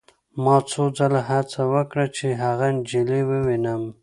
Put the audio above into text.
ما څو ځله هڅه وکړه چې هغه نجلۍ ووینم